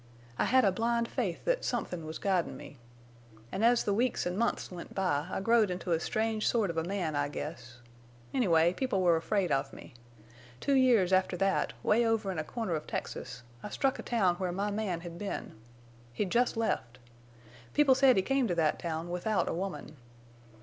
I had a blind faith that somethin' was guidin' me. An' as the weeks an' months went by I growed into a strange sort of a man, I guess. Anyway, people were afraid of me. Two years after that, way over in a corner of Texas, I struck a town where my man had been. He'd jest left. People said he came to that town without a woman.